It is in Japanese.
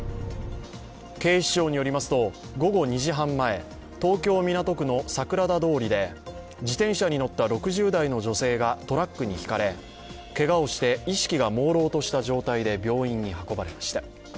警視庁によりますと午後２時半前、東京・港区の桜田通で自転車に乗った６０代の女性がトラックにひかれけがをして意識がもうろうとした状態で病院に運ばれました。